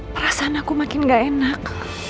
perasaan aku makin gak enak